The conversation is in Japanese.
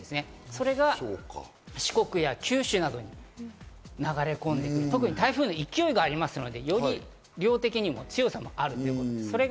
それが四国や九州などに流れ込んで、特に台風に勢いがあるので、より量的にも強さがあるということです。